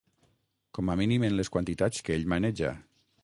Com a mínim en les quantitats que ell maneja.